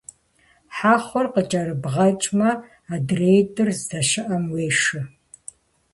Хьэхъур къыкӀэрыбгъэкӀмэ, адреитӀыр здэщыӀэм уешэ.